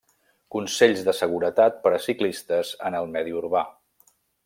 Consells de Seguretat per a Ciclistes en el medi urbà.